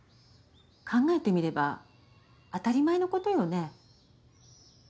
考えてみれば当たり前のことよね。